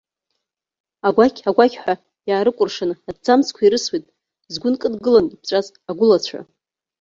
Агәақь-агәақьҳәа иаарыкәыршаны аҭӡамцқәа ирысуеит згәы нкыдкыланы иԥҵәаз агәылацәа.